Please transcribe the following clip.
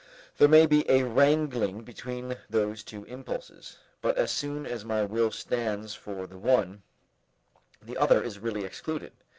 There may be a wrangling between those two impulses, but as soon as my will stands for the one, the other is really excluded.